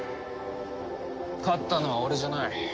勝ったのは俺じゃない。